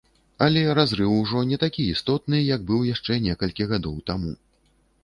Але разрыў ужо не такі істотны, як быў яшчэ некалькі гадоў таму.